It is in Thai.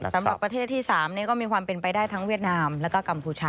สำหรับประเทศที่๓ก็มีความเป็นไปได้ทั้งเวียดนามแล้วก็กัมพูชา